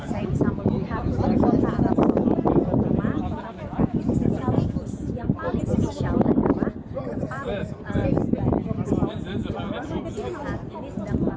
three servir bagi jemaah arab saudi dari pertama sampai ke halikus yang paling spesial adalah kepal tan matin eigentlich harus di luar yang benar